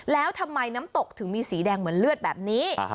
แล้วทำไมน้ำตกถึงมีสีแดงเหมือนเลือดแบบนี้